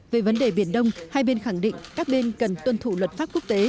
về vấn đề biển đông hai bên khẳng định các bên cần tuân thủ luật pháp quốc tế